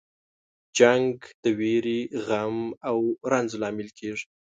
جنګ د ویرې، غم او رنج لامل کیږي.